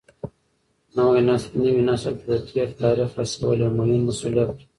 نوي نسل ته د تېر تاریخ رسول یو مهم مسولیت دی.